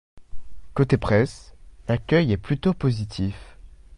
Côté presse, l'accueil est plutôt positif.